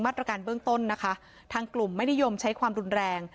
ตรการเบื้องต้นนะคะทางกลุ่มไม่นิยมใช้ความรุนแรง